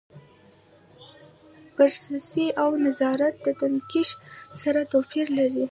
بررسي او نظارت او تفتیش سره توپیر لري.